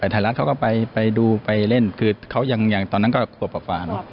ไทรัศน์เขาก็ไปดูไปเล่นคือเขายังตอนนั้นก็ขวบออกฝา